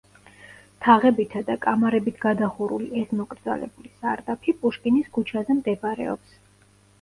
თაღებითა და კამარებით გადახურული ეს მოკრძალებული სარდაფი პუშკინის ქუჩაზე მდებარეობს.